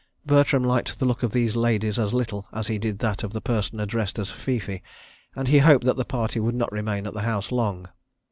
Bertram liked the look of these ladies as little as he did that of the person addressed as "Fifi," and he hoped that the party would not remain at the house long.